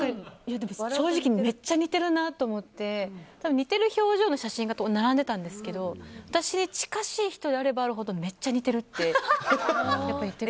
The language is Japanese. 正直めっちゃ似てるなと思って似てる表情の写真が並んでたんですけど私に近しい人であればあるほどめっちゃ似てるって。